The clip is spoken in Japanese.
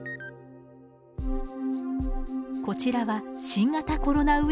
こちらは新型コロナウイルスです。